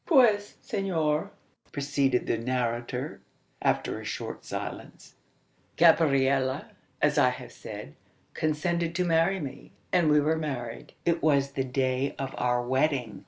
"Puez, senor," proceeded the narrator, after a short silence, "Gabriella, as I have said, consented to marry me, and we were married. It was the day of our wedding.